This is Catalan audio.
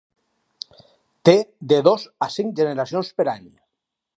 Té de dos a cinc generacions per any.